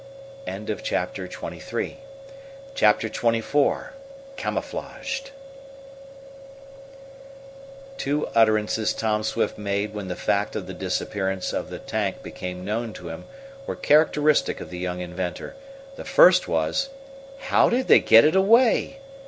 Chapter XXIV Camouflaged Two utterances Tom Swift made when the fact of the disappearance of the tank became known to him were characteristic of the young inventor. The first was: "How did they get it away?"